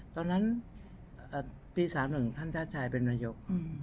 ตอนนั้นตี๓๑ท่านชาติชายเป็นนายก